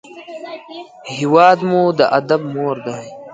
هېواد مو د ادب مور دی